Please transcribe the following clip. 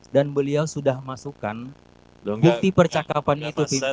dan beliau sudah masukkan bukti percakapan itu pimpinan